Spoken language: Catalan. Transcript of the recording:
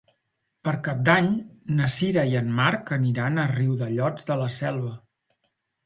Per Cap d'Any na Sira i en Marc aniran a Riudellots de la Selva.